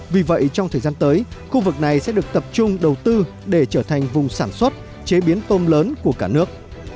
vì vậy trong thời gian tới khu vực này sẽ được tập trung đầu tư để trở thành vùng sản xuất chế biến tôm lớn của cả nước